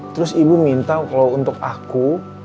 terus ibu minta kalau untuk aku